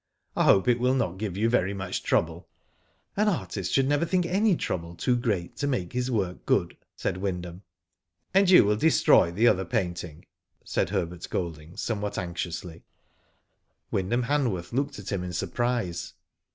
I hope it will not give you very much trouble." "An artist should never think any trouble too great to make his work good," said Wyndham. " And you will destroy the other painting," said Herbert Golding, somewhat anxiously. Digitized byGoogk 200 WHO DID ITt Wyndham Han worth looked at him in sur prise.